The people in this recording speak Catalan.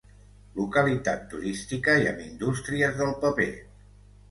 Localitat turística i amb indústries del paper.